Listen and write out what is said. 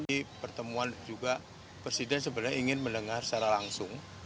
di pertemuan juga presiden sebenarnya ingin mendengar secara langsung